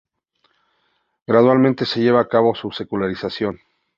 Gradualmente se lleva a cabo su secularización.